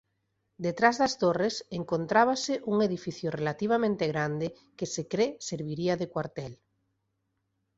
Detrás das torres encontrábase un edificio relativamente grande que se cre serviría de cuartel.